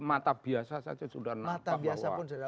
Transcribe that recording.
mata biasa saja sudah nampak bahwa sudah nampak itu nampak